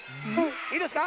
いいですか？